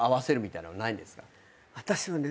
私はね